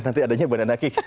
nanti adanya banana kick